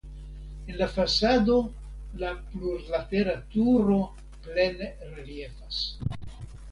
En la fasado la plurlatera turo plene reliefas.